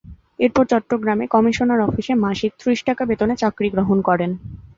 এরপর চট্টগ্রামে কমিশনার অফিসে মাসিক ত্রিশ টাকা বেতনে চাকরি গ্রহণ করেন।